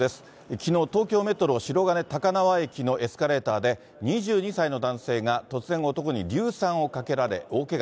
きのう、東京メトロ白金高輪駅のエスカレーターで、２２歳の男性が突然、男に硫酸をかけられ大けが。